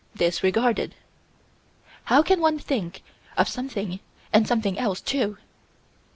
Disregarded. How can one think of something and something else, too?